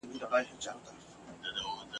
زه به قدم د رقیبانو پر لېمو ایږدمه !.